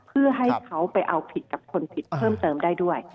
เพื่อให้เขาไปเอาผิดกับคนผิดเพิ่มเติมได้ด้วย